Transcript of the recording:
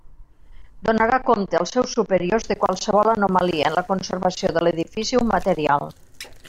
Donarà compte als seus superiors de qualsevol anomalia en la conservació de l'edifici o material.